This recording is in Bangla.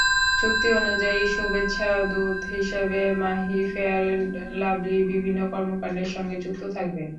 চুক্তি অনুযায়ী শুভেচ্ছাদূত হিসেবে মাহি ফেয়ার অ্যান্ড লাভলীর বিভিন্ন কর্মকাণ্ডের সঙ্গে যুক্ত থাকবেন।